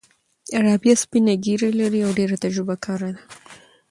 رابعه سپینه ږیره لري او ډېره تجربه کاره ده.